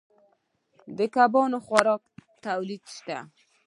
د کبانو د خوراکې تولید شته